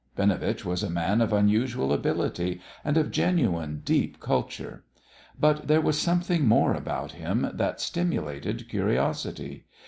Binovitch was a man of unusual ability and of genuine, deep culture. But there was something more about him that stimulated curiosity.